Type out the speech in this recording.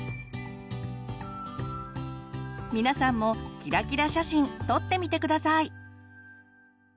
皆さんもキラキラ写真撮ってみて下さい！